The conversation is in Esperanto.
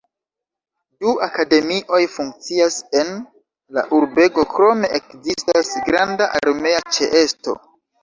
Du akademioj funkcias en la urbego, krome ekzistas granda armea ĉeesto.